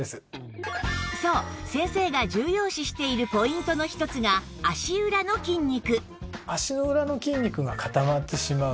そう先生が重要視しているポイントの一つが足裏の筋肉